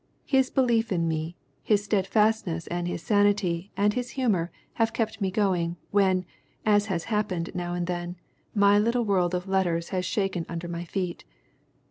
His belief in me, his steadiness and his sanity and his humor have kept me going, when, as has happened now and then, my little world of letters has shaken under my feet."